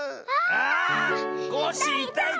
あコッシーいたいた。